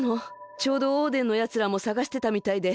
ちょうどオーデンのやつらもさがしてたみたいで。